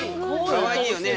かわいいよね。